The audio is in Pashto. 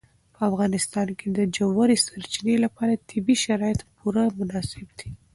په افغانستان کې د ژورې سرچینې لپاره طبیعي شرایط پوره مناسب دي.